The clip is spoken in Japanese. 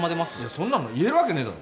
そんなの言えるわけねえだろ